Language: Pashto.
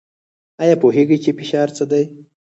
ایا پوهیږئ چې فشار څه دی؟